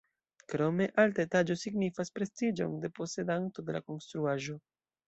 Krome, alta etaĝo signifas prestiĝon de posedanto de la konstruaĵo.